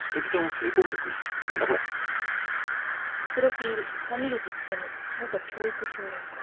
「プロフィール谷口努元教育評論家」